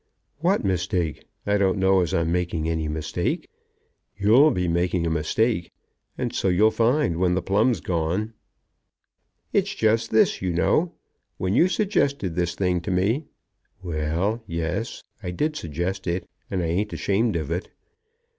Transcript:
"What mistake? I don't know as I'm making any mistake. You'll be making a mistake, and so you'll find when the plum's gone." "It's just this, you know. When you suggested this thing to me " "Well; yes; I did suggest it, and I ain't ashamed of it."